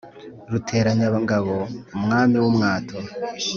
Ruteranyangabo umwami w’umwato